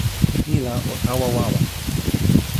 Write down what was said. ni la o tawa wawa.